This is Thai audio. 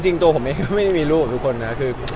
จริงตัวผมเองไม่ได้มีรูปกับทุกคนนะคือ